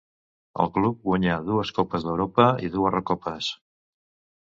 El club guanyà dues Copes d'Europa i dues Recopes.